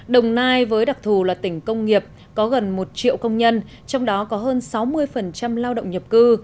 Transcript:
đồng nai với đặc thù là tỉnh công nghiệp có gần một triệu công nhân trong đó có hơn sáu mươi lao động nhập cư